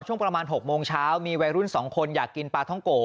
ช่วงประมาณ๖โมงเช้ามีวัยรุ่น๒คนอยากกินปลาท้องโก